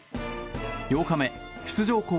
８日目出場校